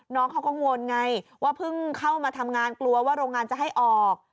น้องเขาก็งนไงว่าเพิ่งเข้ามาทำงานกลัวว่าโรงงานจะให้ออก